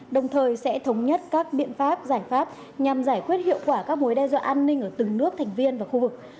đồng thời sẽ thống nhất các biện pháp giải pháp nhằm giải quyết hiệu quả các mối đe dọa an ninh ở từng nước thành viên và khu vực